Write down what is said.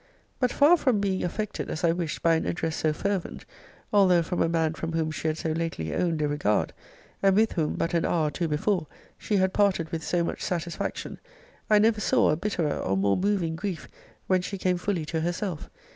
But, far from being affected, as I wished, by an address so fervent, (although from a man from whom she had so lately owned a regard, and with whom, but an hour or two before, she had parted with so much satisfaction,) I never saw a bitterer, or more moving grief, when she came fully to herself.